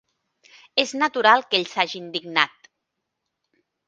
És natural que ell s'hagi indignat.